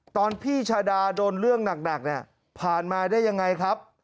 ตอนพี่ชาดาโดนเรื่องหนักเนี่ยผ่านมาได้ยังไงครับ